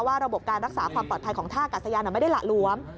ระบบการรักษาความปลอดภัยของท่ากัดสยานไม่ได้หละหลวม